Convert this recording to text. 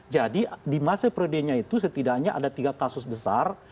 jadi di masa priodenya itu setidaknya ada tiga kasus besar